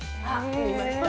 見ました。